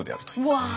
うわ。